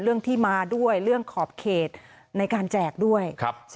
เรื่องที่มาด้วยเรื่องขอบเขตในการแจกด้วย